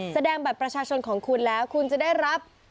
แสดงบัตรประชาชนของคุณแล้วคุณจะได้รับ